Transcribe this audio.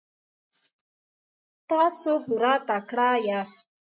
تاسو خورا تکړه یاست.